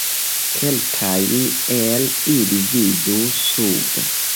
Kelkajn el ili vidu sube.